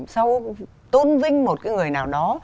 sau tôn vinh một cái người nào đó